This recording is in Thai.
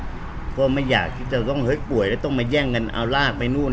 เพราะไม่อยากที่จะต้องเฮ้ยป่วยแล้วต้องมาแย่งกันเอารากไปนู่น